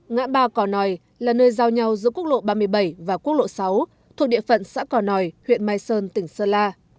ngã ba cỏ nòi là nơi giao nhau giữa quốc lộ ba mươi bảy và quốc lộ sáu thuộc địa phận xã cỏ nòi huyện mai sơn tỉnh sơn la